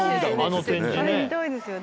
あれ見たいですよね。